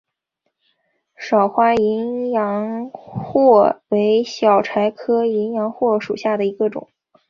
少花淫羊藿为小檗科淫羊藿属下的一个种。